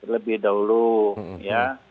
lebih dahulu ya